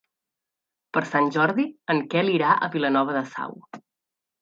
Per Sant Jordi en Quel irà a Vilanova de Sau.